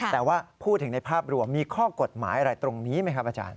แต่ว่าพูดถึงในภาพรวมมีข้อกฎหมายอะไรตรงนี้ไหมครับอาจารย์